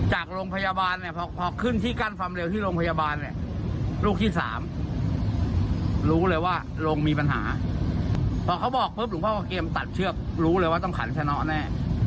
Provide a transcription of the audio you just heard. หลุงพ่อก็เกมตัดเชื้อบรู้เลยว่าต้องขันชะน้อแน่